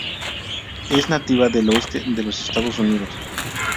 Es nativa del oeste de los Estados Unidos.